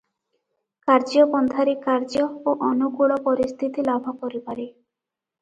କାର୍ଯ୍ୟ ପନ୍ଥାରେ କାର୍ଯ୍ୟ ଓ ଅନୁକୂଳ ପରିସ୍ଥିତି ଲାଭ କରିପାରେ ।